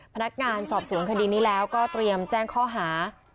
พนักงานสอบสวนคดีนี้แล้วก็เตรียมแจ้งข้อหา